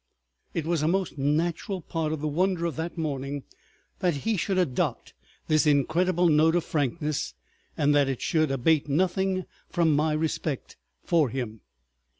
It was a most natural part of the wonder of that morning that he should adopt this incredible note of frankness, and that it should abate nothing from my respect for him.